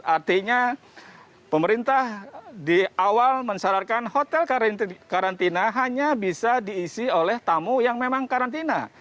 artinya pemerintah di awal mensyaratkan hotel karantina hanya bisa diisi oleh tamu yang memang karantina